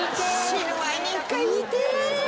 死ぬ前に１回言いてえ。